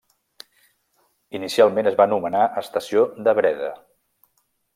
Inicialment es va anomenar estació de Breda.